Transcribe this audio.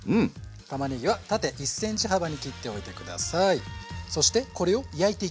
たまねぎは縦１ｃｍ幅に切っておいてください。